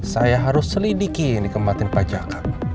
saya harus selidiki kematian pak jaka